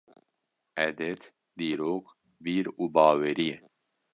Edet, dîrok, bîr û bawerî ye.